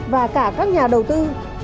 và cả các nhà đầu tư